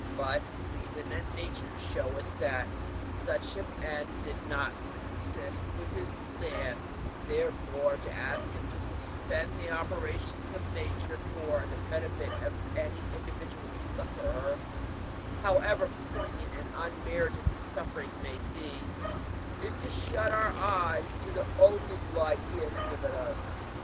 But reason and nature show us that such an end did not consist with his plan; therefore to ask him to suspend the operations of nature for the benefit of any individual sufferer, however poignant and unmerited the sufferings may be, is to shut our eyes to the only light he has given us.